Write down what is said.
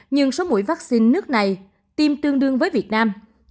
nhưng số mũi vaccine nước này tiêm tương đương với việt nam